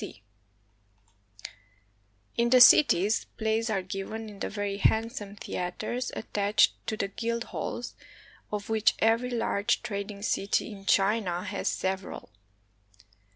86 THE CHINESE THEATER In the cities, plays are given in the very handsome theaters attached to the guild halls, of which every large trading city in China has several.